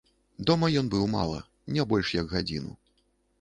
Дома ён быў мала, не больш як гадзіну.